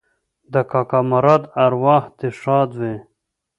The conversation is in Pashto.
د کاکا مراد اوراح دې ښاده وي